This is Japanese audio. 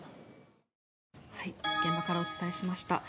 現場からお伝えしました。